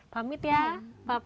pamit ya bapak ibu